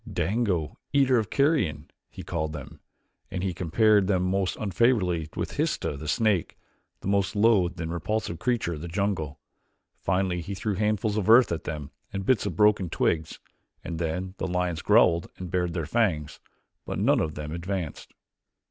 "Dango, eater of carrion," he called them, and he compared them most unfavorably with Histah, the snake, the most loathed and repulsive creature of the jungle. Finally he threw handfuls of earth at them and bits of broken twigs, and then the lions growled and bared their fangs, but none of them advanced.